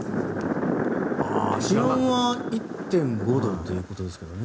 気温は１．５度ということですけどね。